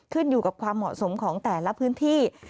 ขึ้นอยู่กับความเหมาะสมของแต่ละพื้นที่